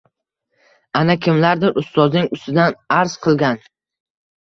Ana, kimlardir ustozining ustidan arz qilgan.